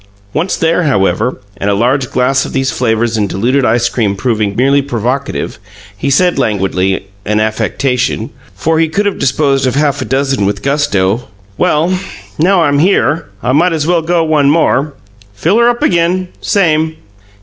Once there, however, and a large glass of these flavors and diluted ice cream proving merely provocative, he said, languidly an affectation, for he could have disposed of half a dozen with gusto: "Well, now I'm here, I might as well go one more. Fill 'er up again. Same."